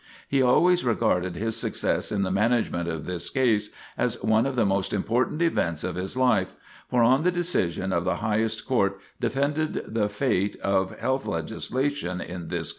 He always regarded his success in the management of this case as one of the most important events of his life, for on the decision of the highest court depended the fate of health legislation in this country.